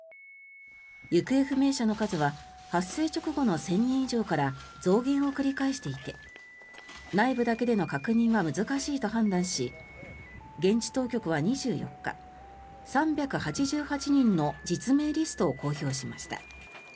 行方不明者の数は発生直後の１０００人以上から増減を繰り返していて内部だけでの確認は難しいと判断し現地当局は２４日３８８人の実名リストを公表しました。